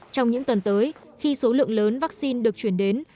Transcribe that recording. trong những tuần tới khi số lượng lớn vắc xin được chuyển đến